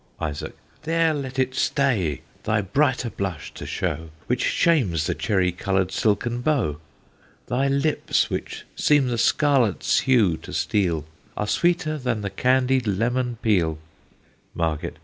ISAAC. There let it stay, thy brighter blush to show, Which shames the cherry colour'd silken bow. Thy lips, which seem the scarlet's hue to steal, Are sweeter than the candy'd lemon peel. MARGET.